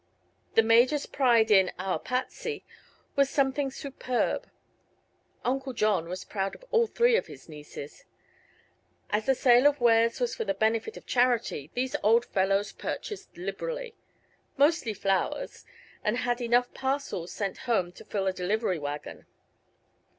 The Major's pride in "our Patsy" was something superb; Uncle John was proud of all three of his nieces. As the sale of wares was for the benefit of charity these old fellows purchased liberally mostly flowers and had enough parcels sent home to fill a delivery wagon.